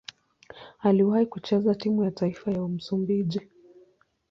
Aliwahi kucheza timu ya taifa ya Msumbiji.